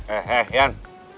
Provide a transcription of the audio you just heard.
eh eh yan